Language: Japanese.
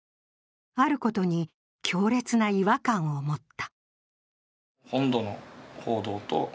あることに強烈な違和感を持った。